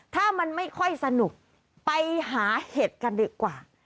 ถ้ามันไม่ค่อยสนุกไปหาเห็ดกันดีกว่า